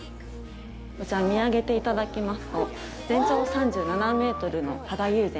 こちら、見上げていただきますと全長３７メートルの加賀友禅